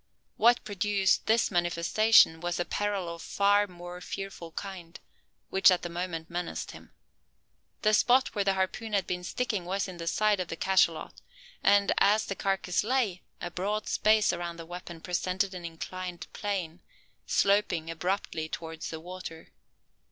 What produced this manifestation was a peril of far more fearful kind, which at the moment menaced him. The spot where the harpoon had been sticking was in the side of the cachalot, and, as the carcass lay, a broad space around the weapon presented an inclined plane, sloping abruptly towards the water.